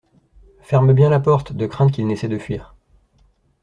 Ferme bien la porte de crainte qu’il n’essayent de fuir.